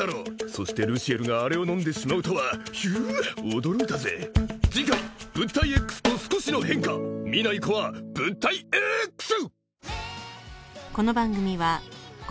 そしてルシエルがあれを飲んでしまうとはひゅ驚いたぜ次回物体Ｘと少しの変化見ない子は物体エーックス！